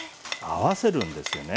合わせるんですよね。